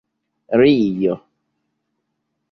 rio